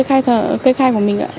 cái khai thở cái khai của mình ạ